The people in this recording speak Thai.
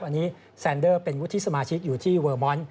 อันนี้แซนเดอร์เป็นวุฒิสมาชิกอยู่ที่เวอร์มอนด์